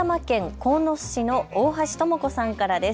埼玉県鴻巣市の大橋知子さんからです。